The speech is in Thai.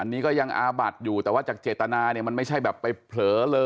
อันนี้ก็ยังอาบัดอยู่แต่ว่าจากเจตนาเนี่ยมันไม่ใช่แบบไปเผลอเลอ